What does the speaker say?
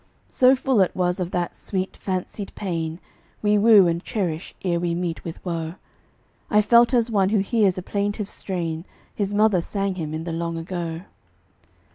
So full it was of that sweet, fancied pain We woo and cherish ere we meet with woe, I felt as one who hears a plaintive strain His mother sang him in the long ago.